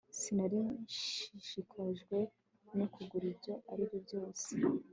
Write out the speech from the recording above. Sinari nshishikajwe no kugura ibyo aribyo byose